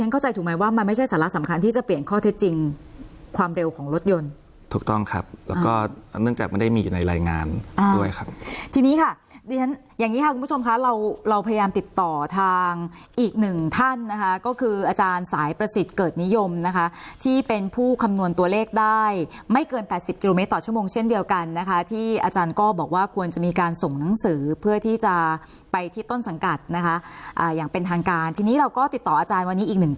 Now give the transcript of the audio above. เข้าใจถูกไหมว่ามันไม่ใช่สาระสำคัญที่จะเปลี่ยนข้อเท็จจริงความเร็วของรถยนต์ถูกต้องครับแล้วก็เนื่องจากมันได้มีในรายงานด้วยค่ะอ่าทีนี้ค่ะอย่างงี้ค่ะคุณผู้ชมคะเราเราพยายามติดต่อทางอีกหนึ่งท่านนะคะก็คืออาจารย์สายประสิทธิ์เกิดนิยมนะคะที่เป็นผู้คำนวณตัวเลขได้ไม่เกินแปดสิบ